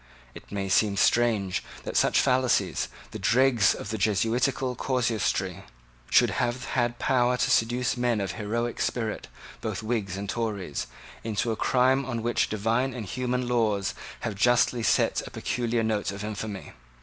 It may seem strange that such fallacies, the dregs of the Jesuitical casuistry, should have had power to seduce men of heroic spirit, both Whigs and Tories, into a crime on which divine and human laws have justly set a peculiar note of infamy.